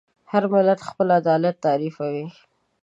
هر ملت خپل عدالت تعریفوي.